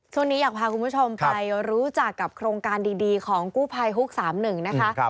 ช่วงนี้อยากพาคุณผู้ชมไปรู้จักกับโครงการดีของกู้ภัยฮุก๓๑นะคะ